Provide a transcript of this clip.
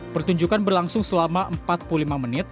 pertunjukan berlangsung selama empat puluh lima menit